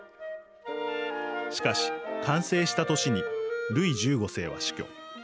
しかし、完成した年にルイ１５世は死去。